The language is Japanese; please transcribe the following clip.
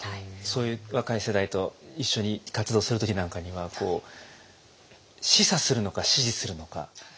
そういう若い世代と一緒に活動する時なんかには示唆するのか指示するのか。